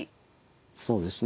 そうですね。